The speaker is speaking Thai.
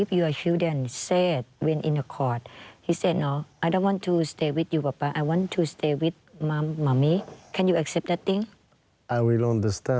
ถ้าพวกแล้วของคุณจะตายในจุฐาทั้งมีข้อมูลว่า